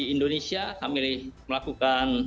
indonesia kami melakukan